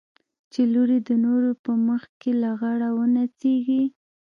چې لور يې د نورو په مخ کښې لغړه ونڅېږي.